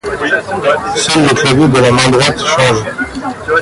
Seul le clavier de la main droite change.